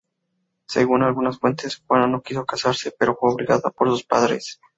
Según algunas fuentes, Juana no quiso casarse, pero fue obligada por sus padres.